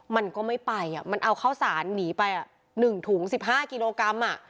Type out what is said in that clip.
มันก็ไม่ไปอ่ะมันเอาเข้าสานหนีไปอ่ะหนึ่งถุงสิบห้ากิโลกรัมอ่ะ